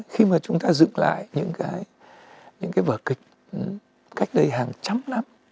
khi mà chúng ta dựng lại những cái vở kịch cách đây hàng trăm năm